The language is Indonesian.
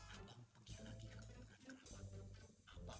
abang pergi lagi ke kerajaan abang